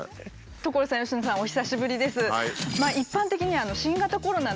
所さん佳乃さんお久しぶりです。